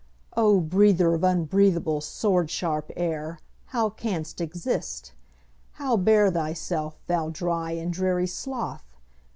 O breather of unbreathable, sword sharp air, How canst exist? How bear thyself, thou dry And dreary sloth?